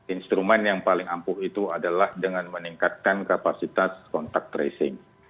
instrumen yang paling ampuh itu adalah dengan meningkatkan kapasitas kontak tracing